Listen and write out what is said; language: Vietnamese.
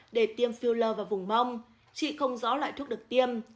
để tiêm filler vào vùng mông chị không rõ loại thuốc được tiêm